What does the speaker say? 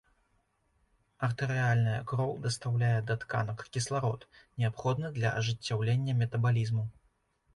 Артэрыяльная кроў дастаўляе да тканак кісларод, неабходны для ажыццяўлення метабалізму.